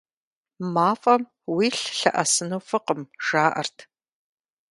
МафӀэм уилъ лъэӀэсыну фӀыкъым, жаӀэрт.